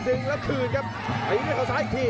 ดึงแล้วคืนครับตีด้วยเขาซ้ายอีกที